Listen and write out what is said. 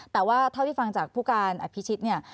แต่ว่าเท่าที่ฟังจากผู้การอภิชิตเนี่ย